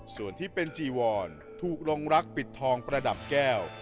ส่วนที่เป็นจีวอนถูกลงรักปิดทองประดับแก้ว